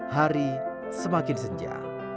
hari semakin senja